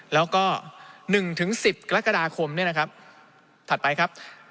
แล้วก็๑๑๐กรกฎาคมเนี่ยนะครับถัดไปครับ